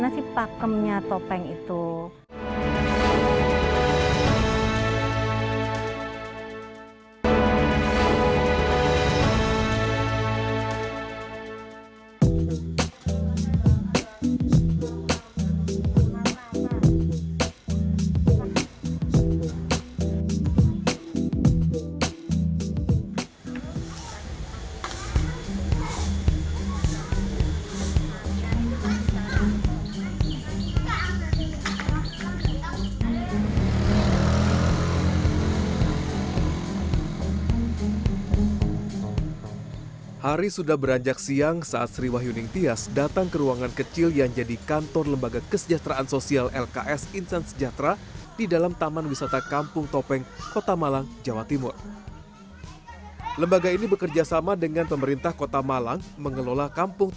sebenarnya saya merasa tidak bergampingan